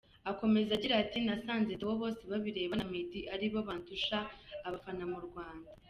Akomeza agira ati “ Nasanze Theo Bosebabireba na Meddy ari bo bandusha abafana mu Rwanda.